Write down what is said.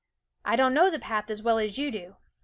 I don't know the path as well as you do.